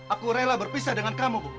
aku rela berpisah dengan kamu bu